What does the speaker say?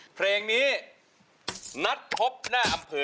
เพลงนี้นัดพบหน้าอำเภอ